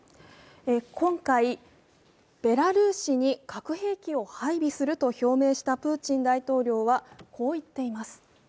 今回ベラルーシに核兵器を配備すると表明したプーチン大統領は、こう言っています。